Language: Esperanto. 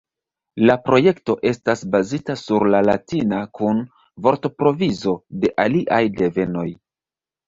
La projekto estas bazita sur la latina kun vortprovizo de aliaj devenoj.